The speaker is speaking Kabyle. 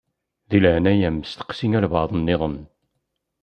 Di leɛnaya-m steqsi walebɛaḍ-nniḍen.